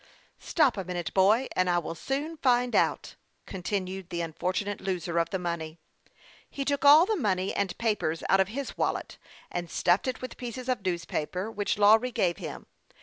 " Stop a minute, boy, and I will soon find out," continued the unfortunate loser of the money, as a bright thought struck him. He took all the money and papers out of his wallet, and stuffed it with pieces of newspaper which Lawry gave him.